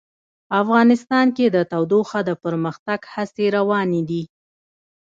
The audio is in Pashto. افغانستان کې د تودوخه د پرمختګ هڅې روانې دي.